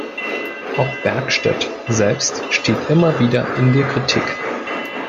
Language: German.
Auch Bergstedt selbst steht immer wieder in der Kritik.